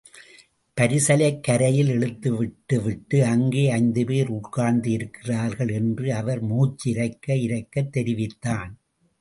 பரிசலைக் கரையில் இழுத்துவிட்டுவிட்டு அங்கே ஐந்துபேர் உட்கார்ந்து இருக்கிறார்கள் என்று அவர் மூச்சு இரைக்க இரைக்கத் தெரிவித்தான்.